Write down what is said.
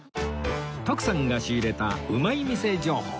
徳さんが仕入れたうまい店情報